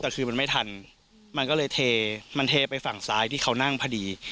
แต่คือมันไม่ทันมันก็เลยเทมันเทไปฝั่งซ้ายที่เขานั่งพอดี